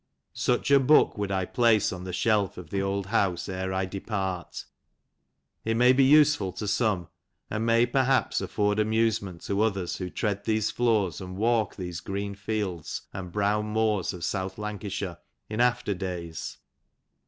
Such a book would I place on the shelf of the old house ere I depart. It may be useful to some, and may perhaps afford amusement to others who tread these floors, and walk these green fields and brown moors of South Lancashire in after days.